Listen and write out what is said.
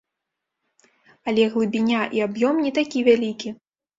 Але глыбіня і аб'ём не такі вялікі.